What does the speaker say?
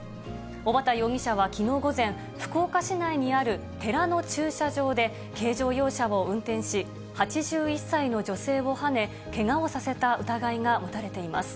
小畠容疑者はきのう午前、福岡市内にある寺の駐車場で軽乗用車を運転し、８１歳の女性をはね、けがをさせた疑いが持たれています。